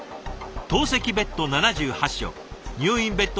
透析ベッド７８床入院ベッド